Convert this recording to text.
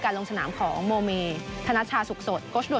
ลงสนามของโมเมธนัชชาสุขสด